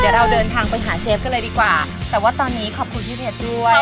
เดี๋ยวเราเดินทางไปหาเชฟกันเลยดีกว่าแต่ว่าตอนนี้ขอบคุณพี่เพชรด้วย